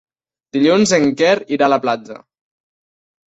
Dilluns en Quer irà a la platja.